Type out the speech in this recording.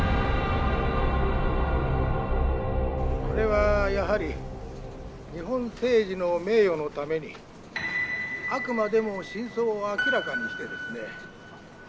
「これはやはり日本政治の名誉のためにあくまでも真相を明らかにしてですね」。